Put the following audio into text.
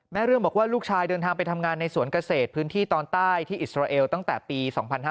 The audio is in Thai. เรื่องบอกว่าลูกชายเดินทางไปทำงานในสวนเกษตรพื้นที่ตอนใต้ที่อิสราเอลตั้งแต่ปี๒๕๕๙